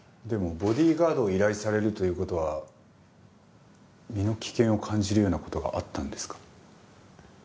でもボディーガードを依頼されるという事は身の危険を感じるような事があったんですか？